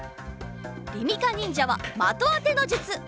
りみかにんじゃはまとあてのじゅつ！